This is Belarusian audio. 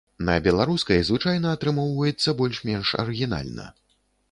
На беларускай звычайна атрымоўваецца больш-менш арыгінальна.